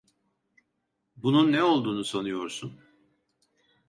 Bunun ne olduğunu sanıyorsun?